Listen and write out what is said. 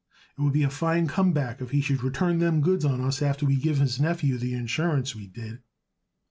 "It would be a fine comeback if he should return them goods on us after we give his nephew the insurance we did."